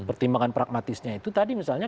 pertimbangan pragmatisnya itu tadi misalnya